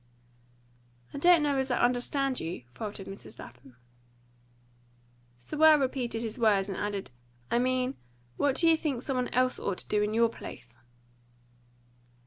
"I don't know as I understand you," faltered Mrs. Lapham. Sewell repeated his words, and added, "I mean, what do you think some one else ought to do in your place?"